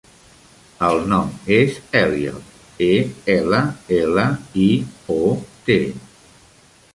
El nom és Elliot: e, ela, ela, i, o, te.